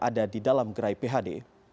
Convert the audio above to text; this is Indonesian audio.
ada di dalam gerai phd